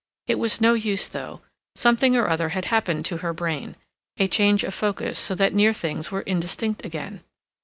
It was no use, though; something or other had happened to her brain—a change of focus so that near things were indistinct again.